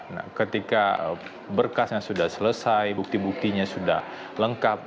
nah ketika berkasnya sudah selesai bukti buktinya sudah lengkap